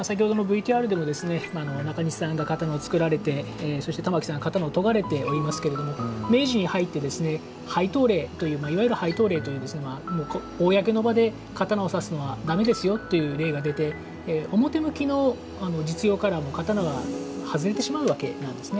中西さんが刀を作られてそして玉置さんが刀を研がれておりますが明治に入って廃刀令という、公の場で刀をさすのはだめですよという令が出て表向きの実用から、刀は外れてしまうわけなんですね。